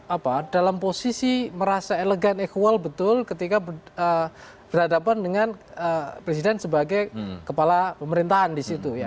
apa dalam posisi merasa elegan ekual betul ketika berhadapan dengan presiden sebagai kepala pemerintahan di situ ya